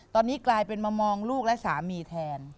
ตอนนี้กลายเป็นมามองลูกและสามีแทน